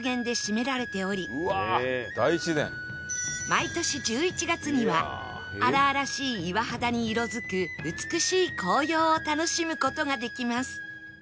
毎年１１月には荒々しい岩肌に色付く美しい紅葉を楽しむ事ができます